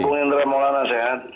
bung indra maulana sehat